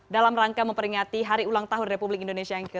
dalam rangka memperingati hari ulang tahun republik indonesia yang ke tujuh puluh